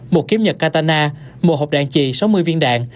một kiếm nhật katana một hộp đạn trì sáu mươi viên đạn